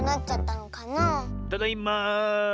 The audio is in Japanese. ただいま。